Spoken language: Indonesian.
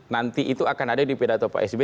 nanti itu akan ada di pira topo sb